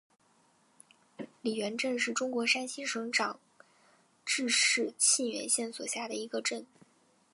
李元镇是中国山西省长治市沁源县所辖的一个镇。